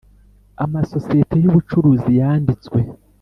Amasosiyete y’ ubucuruzi yanditswe